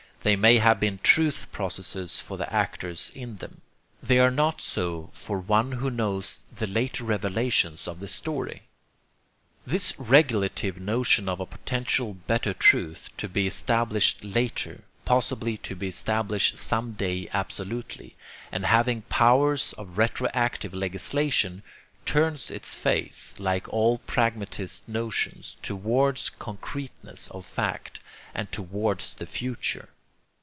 They may have been truth processes for the actors in them. They are not so for one who knows the later revelations of the story. This regulative notion of a potential better truth to be established later, possibly to be established some day absolutely, and having powers of retroactive legislation, turns its face, like all pragmatist notions, towards concreteness of fact, and towards the future.